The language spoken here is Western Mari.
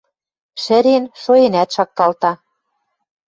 Шӹрен, шоэнӓт шакталта...